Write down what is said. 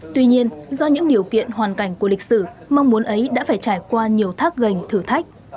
tuy nhiên do những điều kiện hoàn cảnh của lịch sử mong muốn ấy đã phải trải qua nhiều thác gành thử thách